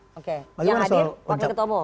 oke yang hadir wakil ketua umum